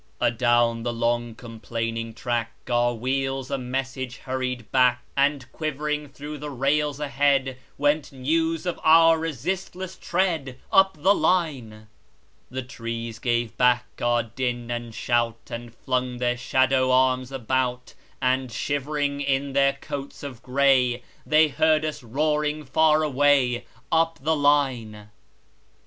Adown the long, complaining track, Our wheels a message hurried back; And quivering through the rails ahead, Went news of our resistless tread, Up the line. The trees gave back our din and shout, And flung their shadow arms about; And shivering in their coats of gray, They heard us roaring far away, Up the line.